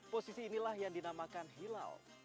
posisi inilah yang dinamakan hilal